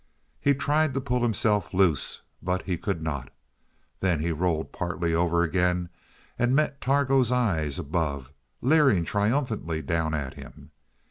He tried to pull himself loose, but could not. Then he rolled partly over again, and met Targo's eyes above, leering triumphantly down at him.